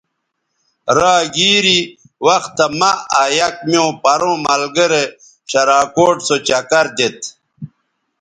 را گیری وختہ مہ آ یک میوں پروں ملگرے شراکوٹ سو چکر دیتھ